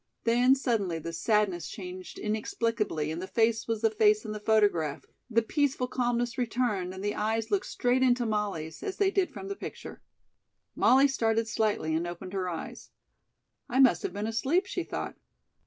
Then suddenly the sadness changed inexplicably and the face was the face in the photograph, the peaceful calmness returned and the eyes looked straight into Molly's, as they did from the picture. Molly started slightly and opened her eyes. "I must have been asleep," she thought.